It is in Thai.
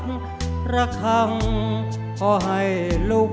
เพลงพร้อมร้องได้ให้ล้าน